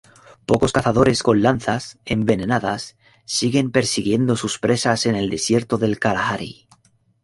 Pocos cazadores con lanzas envenenadas siguen persiguiendo sus presas en el desierto del Kalahari.